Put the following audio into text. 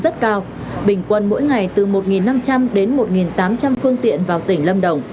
rất cao bình quân mỗi ngày từ một năm trăm linh đến một tám trăm linh phương tiện vào tỉnh lâm đồng